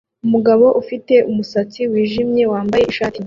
Umugabo ufite umusatsi wijimye wambaye ishati